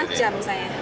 setengah jam saya